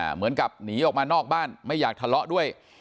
เหมือนกับหนีออกมานอกบ้านไม่อยากทะเลาะด้วย